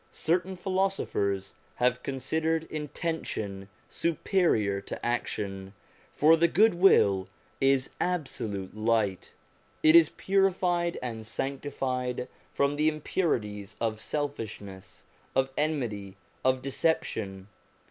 Certain philosophers have considered intention superior to action, for the good will is absolute light ; it is purified and sanctified from the impurities of selfishness, of enmity, of deception.